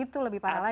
itu lebih parah lagi